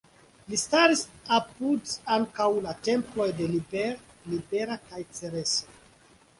Ĝi staris apud ankaŭ la temploj de Liber, Libera kaj Cereso.